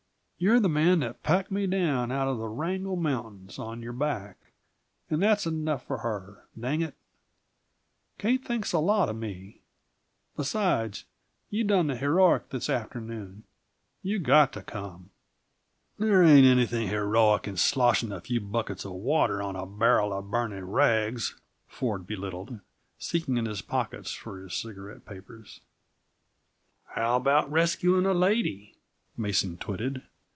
You're the man that packed me down out of the Wrangel mountains on your back, and that's enough for her dang it, Kate thinks a lot of me! Besides, you done the heroic this afternoon. You've got to come." "There ain't anything heroic in sloshing a few buckets of water on a barrel of burning rags," Ford belittled, seeking in his pockets for his cigarette papers. "How about rescuing a lady?" Mason twitted.